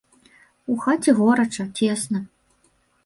У хаце горача, цесна.